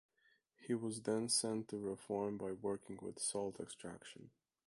He was then sent to reform by working with salt extraction.